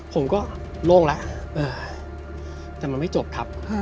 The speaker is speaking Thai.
ผมก็โล่งแล้วแต่มันไม่จบครับ